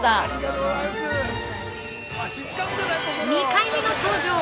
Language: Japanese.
◆２回目の登場！